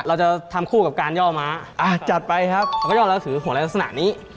เราจะทำคู่กับการย่อมม้าอ่าจัดไปครับเราก็ย่อมแล้วก็ถือหัวลายลักษณะนี้